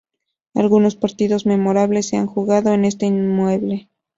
Algunos partidos memorables se han jugado en este inmueble.